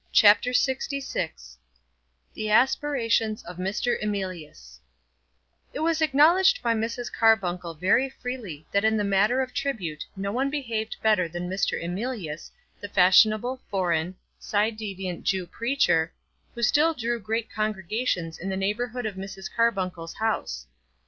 CHAPTER LXVI The Aspirations of Mr. Emilius It was acknowledged by Mrs. Carbuncle very freely that in the matter of tribute no one behaved better than Mr. Emilius, the fashionable, foreign, ci devant Jew preacher, who still drew great congregations in the neighbourhood of Mrs. Carbuncle's house.